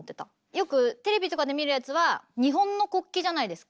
よくテレビとかで見るやつは日本の国旗じゃないですか。